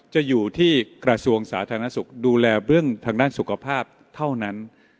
จะอยู่ที่กระทรวงสาธารณสุขดูแลเรื่องทางด้านสุขภาพเท่านั้น